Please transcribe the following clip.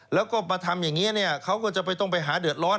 แล้วก็มาทำอย่างนี้เขาก็จะต้องไปหาเดือดร้อน